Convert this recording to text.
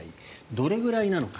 どれくらいなのか。